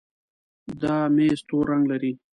دا ميز تور رنګ لري.